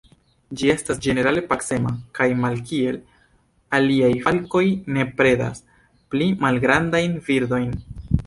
Ĝi estas ĝenerale pacema kaj malkiel aliaj falkoj ne predas pli malgrandajn birdojn.